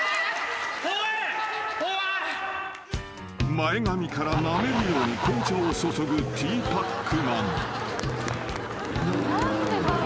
［前髪からなめるように紅茶を注ぐティーパックマン］